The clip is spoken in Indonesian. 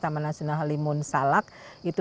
taman nasional halimun salak itu